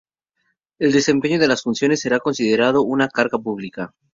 El desempeño de las funciones será considerado una carga pública.